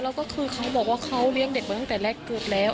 แล้วก็คือเขาบอกว่าเขาเลี้ยงเด็กมาตั้งแต่แรกเกิดแล้ว